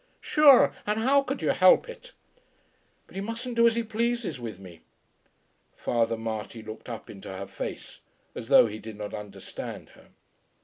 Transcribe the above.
"Shure and how could you help it?" "But he mustn't do as he pleases with me." Father Marty looked up into her face as though he did not understand her.